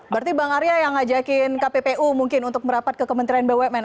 berarti bang arya yang ngajakin kppu mungkin untuk merapat ke kementerian bumn